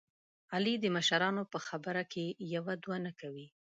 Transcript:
علي د مشرانو په خبره کې یوه دوه نه کوي.